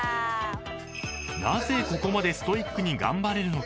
［なぜここまでストイックに頑張れるのか？］